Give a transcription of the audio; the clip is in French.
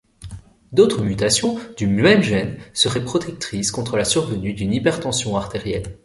D'autres mutations du même gène seraient protectrices contre la survenue d'une hypertension artérielle.